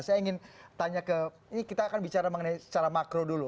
saya ingin tanya ke ini kita akan bicara mengenai secara makro dulu